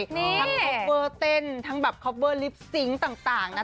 ทั้งคอปเวอร์เต้นทั้งแบบคอปเวอร์ลิปซิงค์ต่างนะ